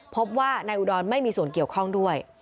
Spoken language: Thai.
พบว่านายอุดรไม่มีส่วนเกี่ยวข้องด้วย